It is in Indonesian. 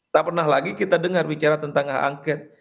tak pernah lagi kita dengar bicara tentang hak angket